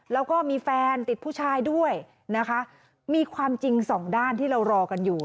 แล้วก็มีแฟนติดผู้ชายด้วยนะคะมีความจริงสองด้านที่เรารอกันอยู่